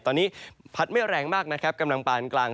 ตอนนี้พัดไม่แรงมากนะครับกำลังปานกลาง